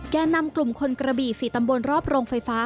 แก่นำกลุ่มคนกระบี่๔ตำบลรอบโรงไฟฟ้า